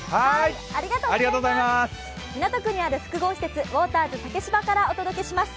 港区にある複合施設、ウォーターズ竹芝からお届けします。